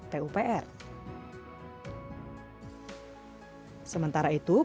sementara itu kementerian pekerjaan umum dan perumahan rakyat pupr juga mencetakkan kawasan yang berbeda